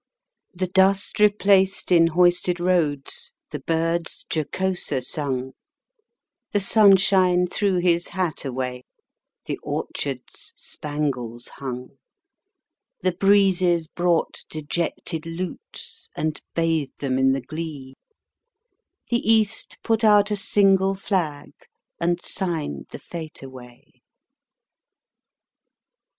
The dust replaced in hoisted roads, The birds jocoser sung; The sunshine threw his hat away, The orchards spangles hung. The breezes brought dejected lutes, And bathed them in the glee; The East put out a single flag, And signed the fete away.